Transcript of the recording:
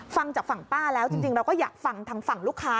ฟังจากฝั่งป้าแล้วจริงเราก็อยากฟังทางฝั่งลูกค้า